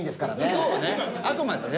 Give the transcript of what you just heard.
そうね。